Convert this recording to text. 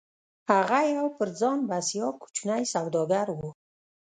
هغه يو پر ځان بسيا کوچنی سوداګر و.